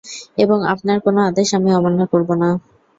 এবং আপনার কোন আদেশ আমি অমান্য করব না।